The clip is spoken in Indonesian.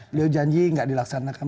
beliau janji enggak dilaksanakan